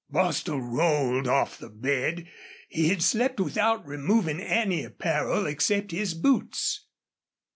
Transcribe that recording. Bostil rolled off the bed. He had slept without removing any apparel except his boots.